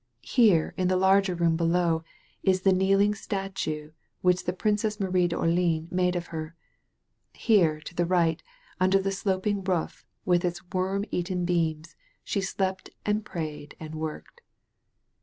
Here, in the larger room below, is the kneeling statue which the Princess Marie d'Orl£ans made of her. Here, to the ri^t, under the sloping roof, with its worm eaten beams, she slept and prayed and worked.